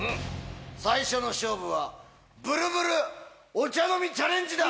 最初の勝負はブルブルお茶飲みチャレンジだ！